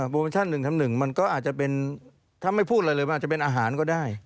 โมชั่น๑ทำ๑มันก็อาจจะเป็นถ้าไม่พูดอะไรเลยมันอาจจะเป็นอาหารก็ได้